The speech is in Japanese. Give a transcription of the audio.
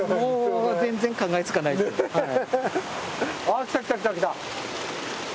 あ来た来た来た来た。